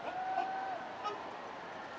ขอบคุณทุกคน